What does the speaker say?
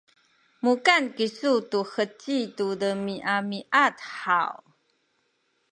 mukan kisu tu heci tu demiamiad haw?